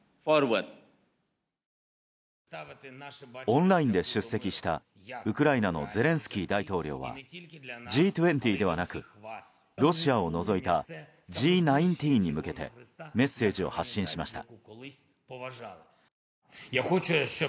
オンラインで出席したウクライナのゼレンスキー大統領はＧ２０ではなくロシアを除いたＧ１９に向けてメッセージを発信しました。